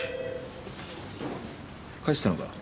帰したのか。